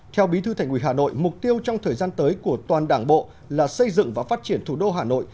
theo bí thư thành ủy hà nội mục tiêu trong thời gian tới của toàn đảng bộ là xây dựng và phát triển thủ đô hà nội